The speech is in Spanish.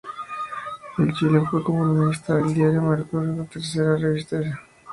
En Chile fue columnista del diario "El Mercurio", "La Tercera" y la revista "Ercilla".